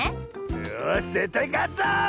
よしぜったいかつぞ！